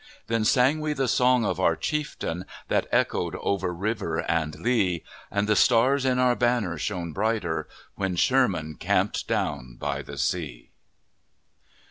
Then sang we the song of our chieftain, That echoed over river and lea, And the stars in our banner shone brighter When Sherman camped down by the sea!